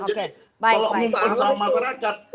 jadi kalau ngumpul sama masyarakat